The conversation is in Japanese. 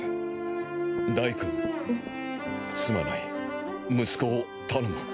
ダイくんすまない息子を頼む。